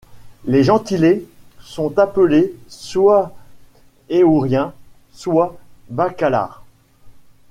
Les gentilés sont appelés soit Éourriens, soit Bacalars.